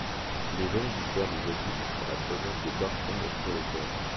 Les jeunes diffèrent des adultes par la présence de barres sombres sur le corps.